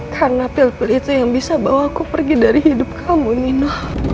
karena pil pil itu yang bisa bawa aku pergi dari hidup kamu nino